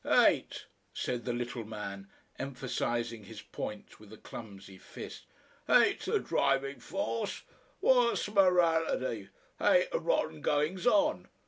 "Hate," said the little man, emphasising his point with a clumsy fist. "Hate's the driving force. What's m'rality? hate of rotten goings on.